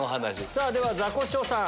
さぁザコシショウさん。